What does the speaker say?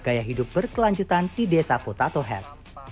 gaya hidup berkelanjutan di desa potatohel